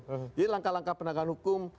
jadi langkah langkah penerangan hukum